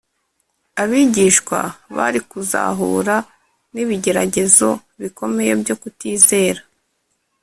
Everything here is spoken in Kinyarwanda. Abigishwa bari kuzahura n’ibigeragezo bikomeye byo kutizera